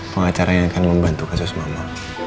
pengacara yang akan membantu kasus mama